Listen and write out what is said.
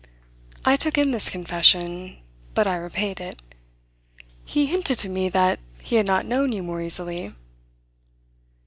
I took in this confession, but I repaid it. "He hinted to me that he had not known you more easily."